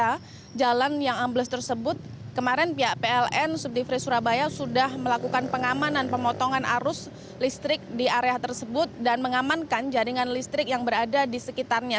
karena jalan yang ambles tersebut kemarin pihak pln subdivri surabaya sudah melakukan pengamanan pemotongan arus listrik di area tersebut dan mengamankan jaringan listrik yang berada di sekitarnya